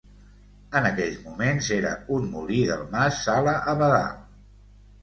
En aquells moments era un molí del mas Sala Abadal.